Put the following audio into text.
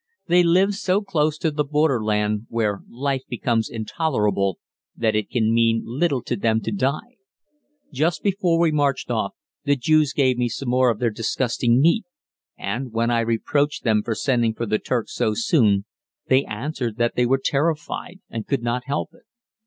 They live so close to the borderland where life becomes intolerable that it can mean little to them to die. Just before we marched off the Jews gave me some more of their disgusting meat, and, when I reproached them for sending for the Turks so soon, they answered that they were terrified and could not help it.